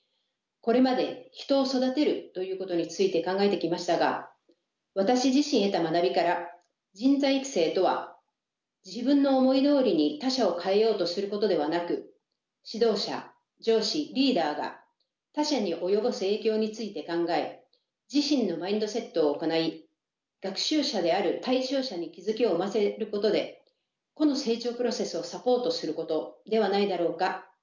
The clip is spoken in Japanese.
これまで人を育てるということについて考えてきましたが私自身得た学びから人材育成とは自分の思いどおりに他者を変えようとすることではなく指導者上司リーダーが他者に及ぼす影響について考え自身のマインドセットを行い学習者である対象者に気付きを生ませることで個の成長プロセスをサポートすることではないだろうか。